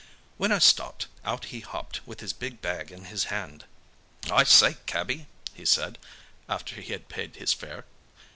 When I stopped, out he hopped with his big bag in his hand. "'I say cabbie!' he said, after he had paid his fare.